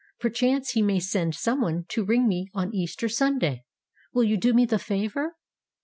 Perchance he may send someone to ring me on Easter Sunday. Will you do me the favor